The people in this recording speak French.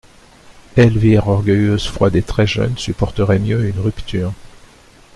Elvire, orgueilleuse froide et très jeune supporterait mieux une rupture.